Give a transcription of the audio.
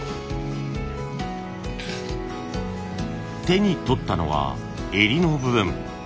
手にとったのは襟の部分。